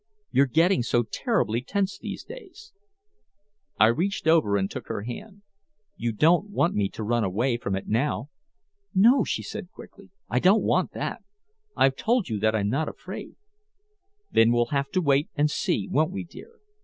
You're getting so terribly tense these days." I reached over and took her hand: "You don't want me to run away from it now?" "No," she said quickly. "I don't want that. I've told you that I'm not afraid " "Then we'll have to wait and see, won't we, dear?